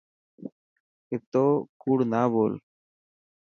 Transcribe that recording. اتو ڪوڙ نا ٻول.